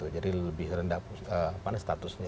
jadi lebih rendah statusnya